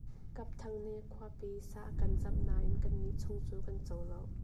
Kap Thang nih khuapi sa a kan zamh nain kannih chung cu kan co lo.